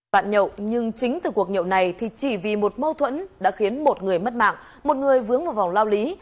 bạn nhậu nhưng chính từ cuộc nhậu này thì chỉ vì một mâu thuẫn đã khiến một người mất mạng một người vướng vào vòng lao lý